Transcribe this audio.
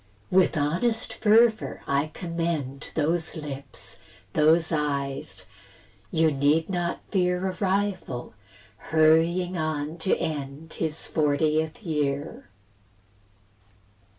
With honest fervour I commend Those lips, those eyes; you need not fear A rival, hurrying on to end His fortieth year.